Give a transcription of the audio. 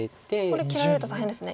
これ切られると大変ですね